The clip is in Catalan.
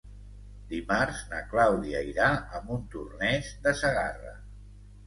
Dimarts na Clàudia irà a Montornès de Segarra.